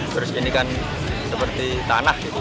terus ini kan seperti tanah gitu